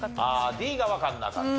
Ｄがわかんなかった。